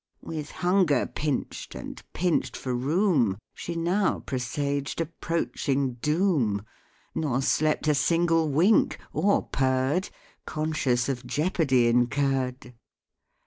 With hunger pinch'd, and pinch'd for room, She now presaged approaching doom, Nor slept a single wink, or purr'd, Conscious of jeopardy incurr'd.